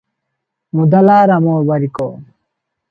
ମୁଦାଲା Ram Barik.